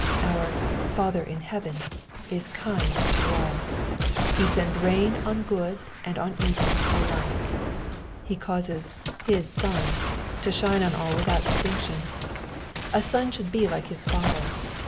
Our " Father in heaven" is kind to all. He sends rain on good and on evil alike. He causes " His sun" to shine on all without distinction. — A son should be like his father.